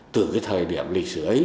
từ cái thời điểm lịch sử ấy